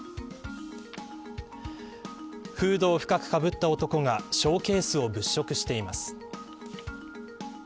フードを深くかぶった男がショーケースを物色しています。